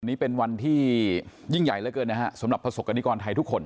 นี่เป็นวันที่ยิ่งใหญ่เหลือเกินนะฮะสำหรับประสบกรณิกรไทยทุกคน